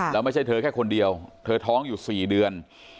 แล้วไม่ใช่เธอแค่คนเดียวเธอท้องอยู่๔เดือน